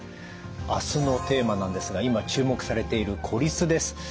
あすのテーマなんですが今注目されている孤立です。